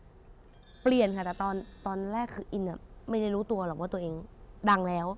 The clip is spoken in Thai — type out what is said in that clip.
ก็เปลี่ยนค่ะแต่ตอนแรกคืออินไม่ได้รู้ตัวหรอกว่าตัวเองดังแล้ว